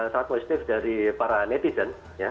sangat positif dari para netizen